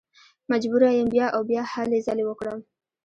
مجبوره یم بیا او بیا هلې ځلې وکړم.